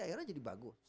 akhirnya jadi bagus